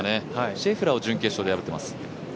シェフラーを準決勝で圧勝してます。